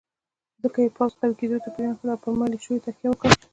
ځکه یې پوځ قوي کېدو ته پرېنښود او پر ملېشو یې تکیه وکړه.